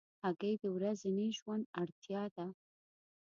هګۍ د ورځني ژوند اړتیا ده.